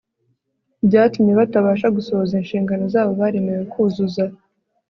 byatumye batabasha gusohoza inshingano zabo baremewe kuzuza …